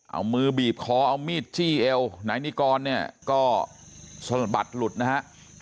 เอามือบีบคอเอามีดที่เอวนายนิกรก็สลบัดหลุดนะครับ